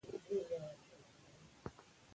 ماشوم کولی سي ازاد فکر وکړي.